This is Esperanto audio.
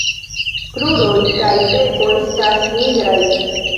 Kruroj kaj beko estas nigraj.